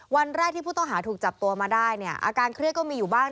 วันแรกที่ผู้ต้องหาถูกจับตัวมาได้เนี่ยอาการเครียดก็มีอยู่บ้าง